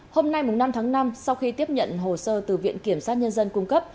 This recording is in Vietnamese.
hôm nay năm tháng năm sau khi tiếp nhận hồ sơ từ viện kiểm sát nhân dân cung cấp